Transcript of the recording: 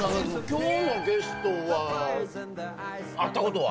今日のゲストは会ったことは？